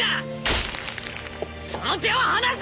その手を離せ！！